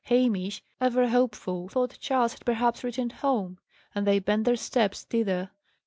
Hamish, ever hopeful, thought Charles had perhaps returned home: and they bent their steps thither.